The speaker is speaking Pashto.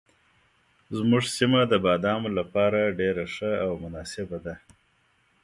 زموږ سیمه د بادامو لپاره ډېره ښه او مناسبه ده.